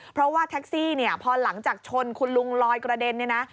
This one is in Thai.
เพราะว่าแท็กซี่พอหลังจากชนคุณลุงลอยกระเด็น